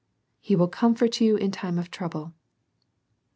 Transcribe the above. He will comfort you in time of trouble.